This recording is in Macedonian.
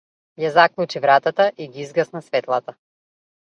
Ја заклучи вратата и ги изгасна светлата.